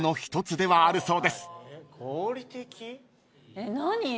えっ何？